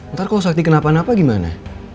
ntar kalau sakti kenapa napa gimana